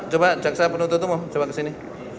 coba jaksa penutup mau coba kesini